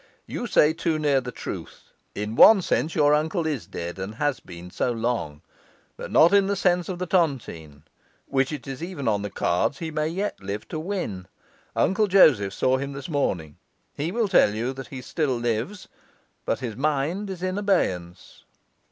You say too near the truth. In one sense your uncle is dead, and has been so long; but not in the sense of the tontine, which it is even on the cards he may yet live to win. Uncle Joseph saw him this morning; he will tell you he still lives, but his mind is in abeyance.